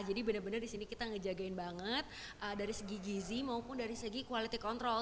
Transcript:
jadi benar benar disini kita ngejagain banget dari segi gizi maupun dari segi quality control